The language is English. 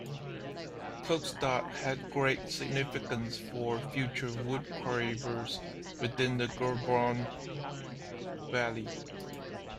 Klukstad had great significance for future wood carvers within the Gudbrand Valley.